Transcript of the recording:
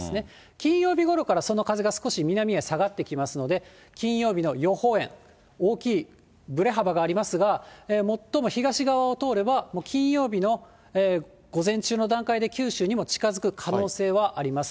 金曜日ごろからその風が少し南へ下がってきますので、金曜日の予報円、大きいぶれ幅がありますが、最も東側を通れば、金曜日の午前中の段階で、九州にも近づく可能性はあります。